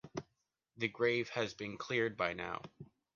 The grave has been cleared by now.